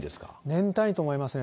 年単位と思いますね。